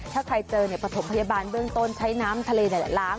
ถ้าใครเจอปฐมพยาบาลเบื้องต้นใช้น้ำทะเลล้าง